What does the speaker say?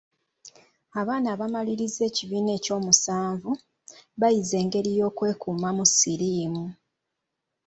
Abaana abamalirizza ekibiina ekyomusanvu, bayize engeri y'okwekuumamu siriimu.